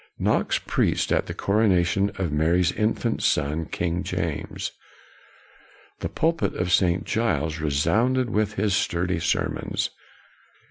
Knox preached at the coronation of Mary's infant son, King James. The pul pit of St. Giles resounded with his sturdy sermons.